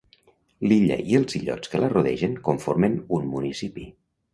L'illa i els illots que la rodegen conformen un municipi.